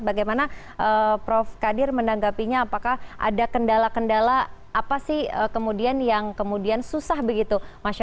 bagaimana prof kadir menanggapinya apakah ada kendala kendala apa sih kemudian yang kemudian susah begitu